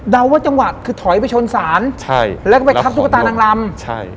ว่าจังหวัดคือถอยไปชนศาลใช่แล้วก็ไปทับตุ๊กตานางลำใช่